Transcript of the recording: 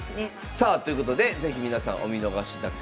さあということで是非皆さんお見逃しなく。